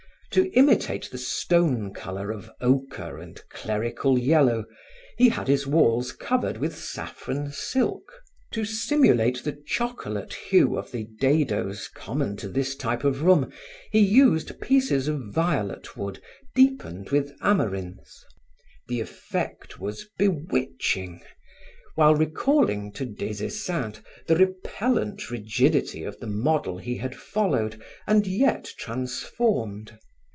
To imitate the stone color of ochre and clerical yellow, he had his walls covered with saffron silk; to stimulate the chocolate hue of the dadoes common to this type of room, he used pieces of violet wood deepened with amarinth. The effect was bewitching, while recalling to Des Esseintes the repellant rigidity of the model he had followed and yet transformed.